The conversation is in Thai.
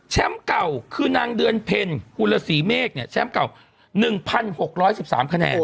เก่าคือนางเดือนเพ็ญกุลศรีเมฆแชมป์เก่า๑๖๑๓คะแนน